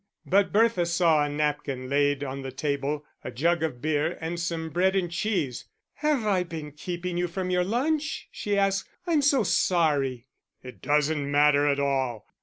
But Bertha saw a napkin laid on the table, a jug of beer, and some bread and cheese. "Have I been keeping you from your lunch?" she asked. "I'm so sorry." "It doesn't matter at all.